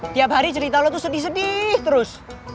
tiap hari cerita lo tuh sedih sedih terus